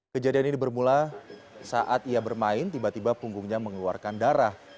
kejadian ini bermula saat ia bermain tiba tiba punggungnya mengeluarkan darah